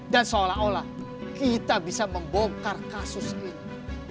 dan seolah olah kita bisa membongkar kasus ini